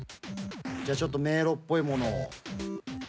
ちょっと迷路っぽいものを。